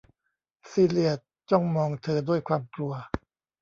ซีเลียจ้องมองเธอด้วยความกลัว